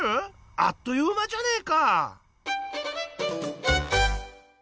あっという間じゃねえか！